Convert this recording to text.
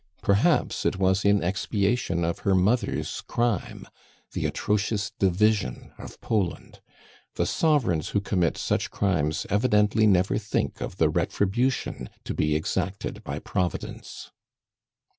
Perhaps it was in expiation of her mother's crime the atrocious division of Poland. The sovereigns who commit such crimes evidently never think of the retribution to be exacted by Providence.